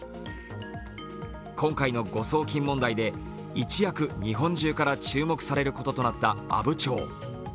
今回の誤送金問題で一躍、日本中から注目されることとなった阿武町。